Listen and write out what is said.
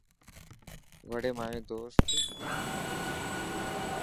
وڙي مايو دوست هي.